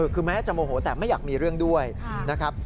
คือแม้จะโมโหแต่ไม่อยากมีเรื่องด้วยนะครับ